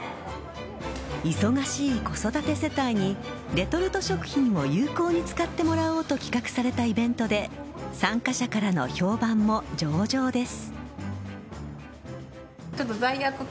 忙しい子育て世帯にレトルト食品を有効に使ってもらおうと企画されたイベントで参加者からの評判も上々です。